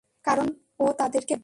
কারণ ও তাদেরকে বলেছে।